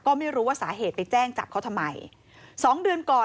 ก็ไม่รู้ว่าสาเหตุไปแจ้งจับเขาทำไมสองเดือนก่อน